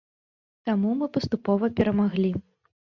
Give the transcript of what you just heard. Таму мы паступова перамаглі.